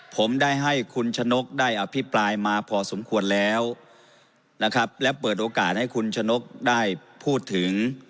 ผมได้ให้คุณชะนกได้อภิปรายมาพอสมควรแล้วนะครับและเปิดโอกาสให้คุณชะนกได้พูดถึง